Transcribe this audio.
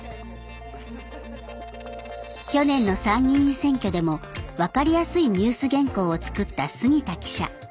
去年の参議院選挙でも分かりやすいニュース原稿を作った杉田記者。